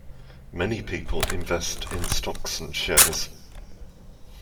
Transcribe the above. Many people invest in stocks and shares